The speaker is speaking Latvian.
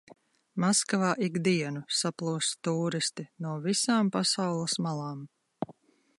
Maskavā ik dienu saplūst tūristi no visām pasaules malām.